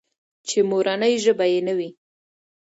چې مورنۍ ژبه يې نه وي.